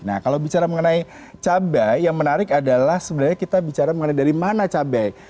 nah kalau bicara mengenai cabai yang menarik adalah sebenarnya kita bicara mengenai dari mana cabai